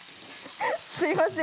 すいません。